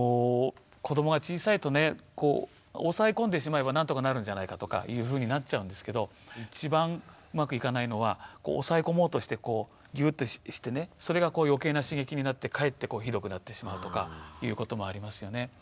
子どもが小さいとね抑え込んでしまえばなんとかなるんじゃないかとかいうふうになっちゃうんですけど一番うまくいかないのは抑え込もうとしてギューッとしてねそれが余計な刺激になってかえってひどくなってしまうとかいうこともありますよね。